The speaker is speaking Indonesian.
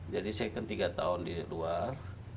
jadi setelah tiga tahun di luar